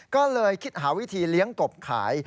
ก็เลยคิดหาวิธีเลี้ยงกบขาย